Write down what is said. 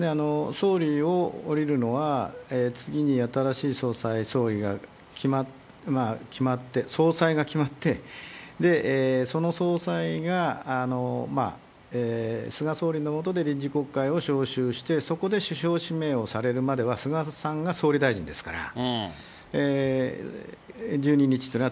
総理を降りるのは、次に新しい総裁が決まって、その総裁が菅総理の下で臨時国会を召集して、そこで首相指名をされるまでは、菅さんが総理大臣ですから、１２日っていうのは、